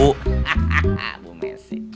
hahaha bu messi